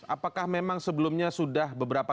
apakah memang sebelumnya sudah beberapa